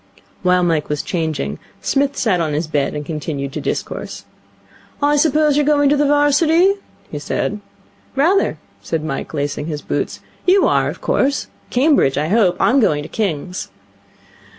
While Mike was changing, Psmith sat on his bed, and continued to discourse. 'I suppose you're going to the 'Varsity?' he said. 'Rather,' said Mike, lacing his boots. 'You are, of course? Cambridge, I hope. I'm going to King's.'